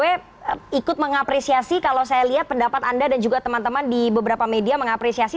saya ikut mengapresiasi kalau saya lihat pendapat anda dan juga teman teman di beberapa media mengapresiasi